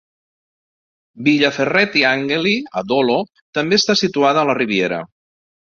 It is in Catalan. Villa Ferretti-Angeli a Dolo també està situada a la Riviera.